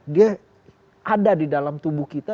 dia ada di dalam tubuh kita